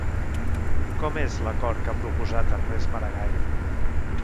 Com és l'acord que ha proposat Ernest Maragall?